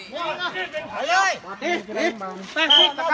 พ่อหนูเป็นใคร